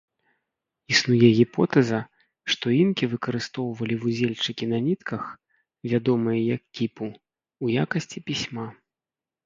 Існуе гіпотэза, што інкі выкарыстоўвалі вузельчыкі на нітках, вядомыя як кіпу, у якасці пісьма.